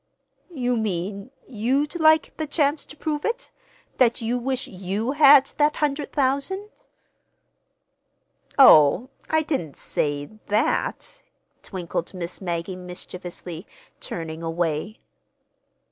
"You mean—you'd like the chance to prove it? That you wish you had that hundred thousand?" "Oh, I didn't say—that," twinkled Miss Maggie mischievously, turning away.